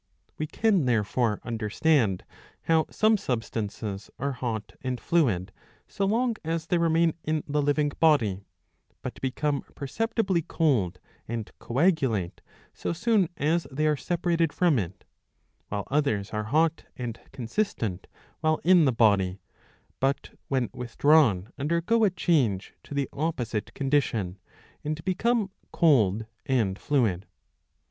We can therefore understand how some substances are hot and fluid so long as they remain in the living body, but become perceptibly cold and coagulate so soon as they are separated from it ; while others are hot and consistent while in the body, but when with drawn undergo a change to the opposite condition, and become cold and fluid.